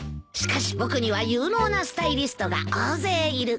しかし僕には有能なスタイリストが大勢いる。